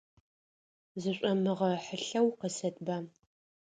Зышӏомыгъэхьылъэу, къысэтба.